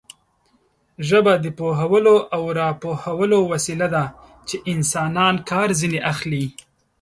ژبه د پوهولو او راپوهولو وسیله ده چې انسانان کار ځنې اخلي.